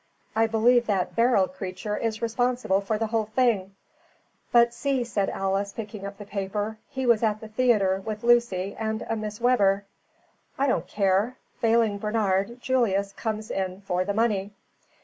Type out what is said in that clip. I believe that Beryl creature is responsible for the whole thing." "But see," said Alice, picking up the paper, "he was at the theatre with Lucy and a Mrs. Webber." "I don't care. Failing Bernard, Julius comes in for the money."